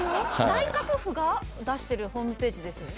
内閣府が出してるホームページですよね？